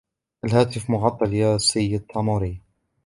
الهاتف معطل يا السيد تاموري.